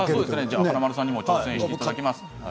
華丸さんにも挑戦してもらいます。